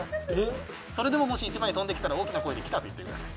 それでももし１枚飛んできたら、大きな声で「来た」と言ってください。